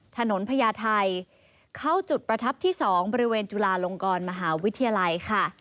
ถนนพระยาทัยเข้าจุดประทับที่๒บริเวณจุหลาลงกรมหาวิทยาลัย